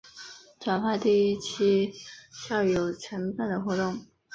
转发第一期校友承办的活动